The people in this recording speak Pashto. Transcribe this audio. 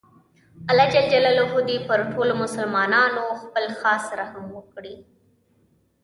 الله ﷻ دې پر ټولو مسلماناتو خپل خاص رحم وکړي